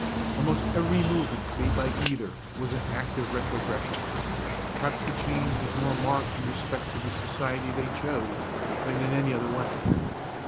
Almost every movement made by either was an act of retrogression. Perhaps the change was more marked in respect to the society they chose than in any other way.